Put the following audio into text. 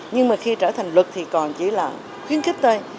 nhưng mà khi trở thành luật thì còn chỉ là khuyến khích thôi